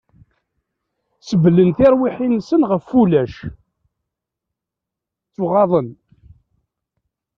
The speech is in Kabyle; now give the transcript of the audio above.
Sebblen tirwiḥin-nsen ɣef ulac... ttuɣaḍen!